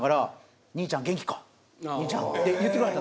「兄ちゃん」って言ってくれはった。